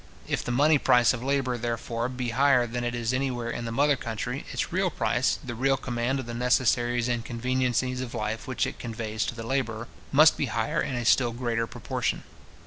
If the money price of labour, therefore, be higher than it is anywhere in the mother country, its real price, the real command of the necessaries and conveniencies of life which it conveys to the labourer, must be higher in a still greater proportion.